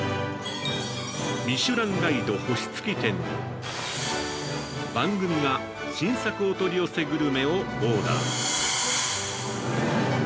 ◆ミシュランガイド星付き店に番組が新作お取り寄せグルメをオーダー。